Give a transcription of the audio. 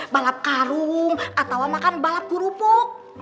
balap karung atau makan balap kerupuk